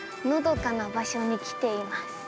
のどかな場所に来ています。